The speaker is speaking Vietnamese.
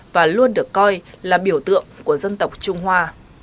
và luôn được coi là biểu tượng của dân tộc trung hoa